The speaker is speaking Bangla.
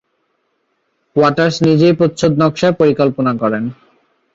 ওয়াটার্স নিজেই প্রচ্ছদ নকশার পরিকল্পনা করেন।